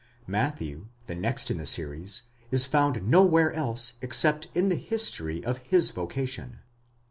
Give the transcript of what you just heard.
Matthew, the next in the series, is found nowhere else except in the history of his vocation.